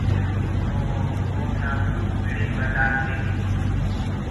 تو وو اُنآ ڪوُ مڙهيٚ ٻٽآڪ ديديس۔